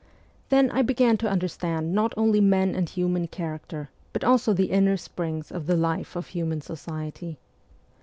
Then I began to understand not only men and human character, but also the inner springs of the life of human society.